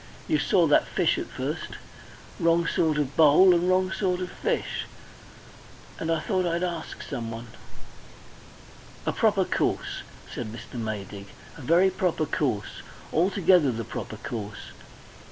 You saw that fish at first? Wrong sort of bowl and wrong sort of fish. And I thought I'd ask someone." "A proper course," said Mr. Maydig, "a very proper course altogether the proper course."